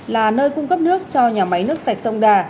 là nơi cung cấp nước cho nhà máy nước sạch sông đà